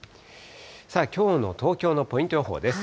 さあ、きょうの東京のポイント予報です。